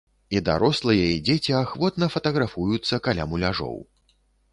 І дарослыя і дзеці ахвотна фатаграфуюцца каля муляжоў.